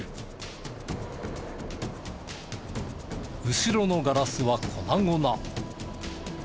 後ろのガラスは粉々。